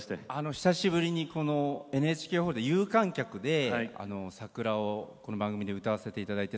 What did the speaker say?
久しぶりでＮＨＫホールで有観客で「さくら」をこの番組で歌わせていただいて。